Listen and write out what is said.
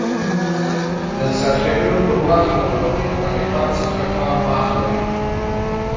د څرخېدلو پر وخت له ورنیر کالیپر څخه کار مه اخلئ.